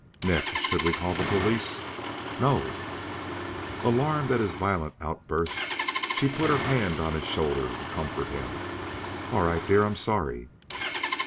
"Nick. Should we call the police?" "No!" Alarmed at his violent outburst, she put her hand on his shoulder to comfort him. "All right dear. I'm sorry."